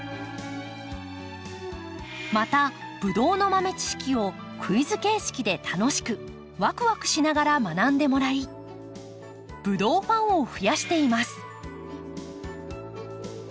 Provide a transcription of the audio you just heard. またブドウの豆知識をクイズ形式で楽しくわくわくしながら学んでもらいブドウファンを増やしています。